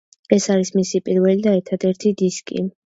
ეს არის მისი პირველი და ერთადერთი დისკი.